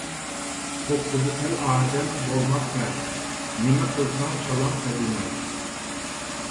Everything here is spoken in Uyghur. توققۇزى تەل ئادەم بولماق تەس، نېمە قىلساڭ چالاڭ قەدىناس.